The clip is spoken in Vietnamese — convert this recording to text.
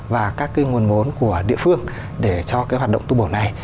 và các cái nguồn vốn của địa phương để cho cái hoạt động tu bổ này